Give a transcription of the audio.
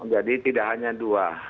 jadi tidak hanya dua